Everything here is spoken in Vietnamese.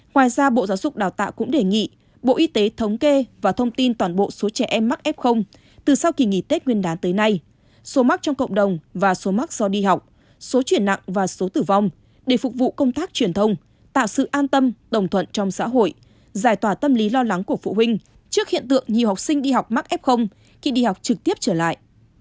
ngoài ra bộ giáo dục đào tạo cũng đề nghị bộ y tế thống kê và thông tin toàn bộ số trẻ em mắc f từ sau kỳ nghỉ test nguyên đán tới nay số mắc trong cộng đồng và số mắc do đi học số chuyển nặng và số tử vong để phục vụ công tác truyền thông tạo sự an tâm đồng thuận trong xã hội giải tỏa tâm lý lo lắng của phụ huynh trước hiện tượng nhiều học sinh đi học mắc f khi đi học trực tiếp trở lại